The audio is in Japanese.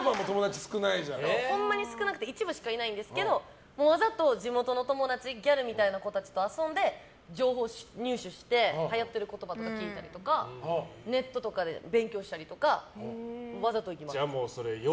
ほんまに少なくて一部しかいないんですけどわざと地元の友達ギャルみたいな子と遊んで情報を入手してはやってる言葉とか聞いたりとかネットとかで勉強したりとかわざと行きます。